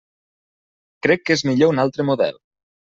Crec que és millor un altre model.